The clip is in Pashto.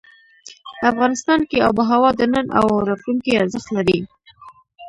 افغانستان کې آب وهوا د نن او راتلونکي ارزښت لري.